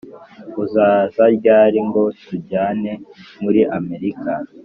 uzaza ryari ngo tujyane muri amerika